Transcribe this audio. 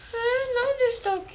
何でしたっけ？